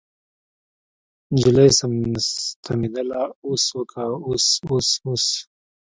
نجلۍ ستمېدله اوس وکه اوس اوس اوس.